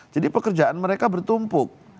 jadi pekerjaan mereka bertumpuk